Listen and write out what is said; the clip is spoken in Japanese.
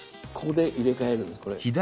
ここで入れ替えるんです。